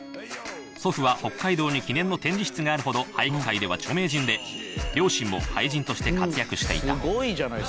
祖父は北海道に記念の展示室があるほど俳句界では著名人で、両親も俳人として活躍していた。